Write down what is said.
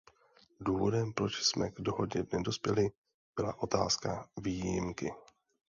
Důvodem, proč jsme k dohodě nedospěli, byla otázka výjimky.